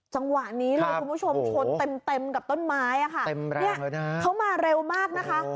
จังหวะนี้เลยคุณผู้ชมชนเต็มกับต้นไม้ค่ะเขามาเร็วมากนะคะ